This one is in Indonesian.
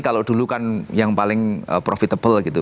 kalau dulu kan yang paling profitable gitu